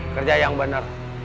kerja yang bener